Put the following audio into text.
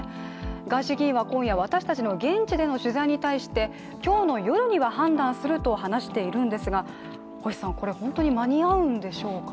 ガーシー議員は今夜私たちの現地での取材に対して今日の夜には判断すると話しているんですが星さん、これ本当に間に合うんでしょうかね？